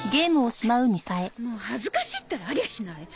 もう恥ずかしいったらありゃしない。